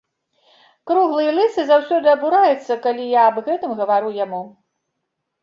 Круглы і лысы заўсёды абураецца, калі я аб гэтым гавару яму.